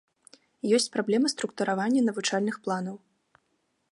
Ёсць праблема структуравання навучальных планаў.